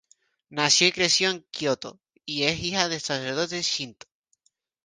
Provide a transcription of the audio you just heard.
Nació y creció en Kyoto, y es hija de un sacerdote Shinto.